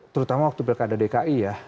terutama waktu pilkada dki ya